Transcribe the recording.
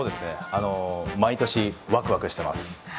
毎年ワクワクしてます。